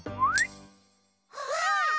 わあ！